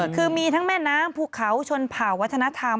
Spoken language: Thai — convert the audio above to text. คือมีทั้งแม่น้ำภูเขาชนเผ่าวัฒนธรรม